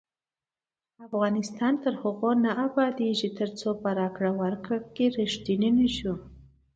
افغانستان تر هغو نه ابادیږي، ترڅو په راکړه ورکړه کې ریښتیني نشو.